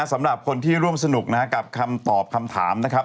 สำหรับคนที่ร่วมสนุกนะครับกับคำตอบคำถามนะครับ